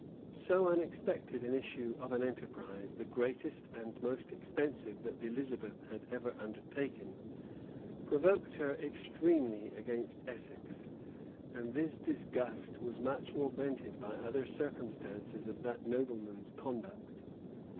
So unexpected an issue of an enterprise, the greatest and most expensive that Elizabeth had ever undertaken, provoked her extremely against Essex; and this disgust was much augmented by other circumstances of that nobleman's conduct.